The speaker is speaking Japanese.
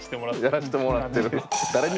「やらしてもらってる」。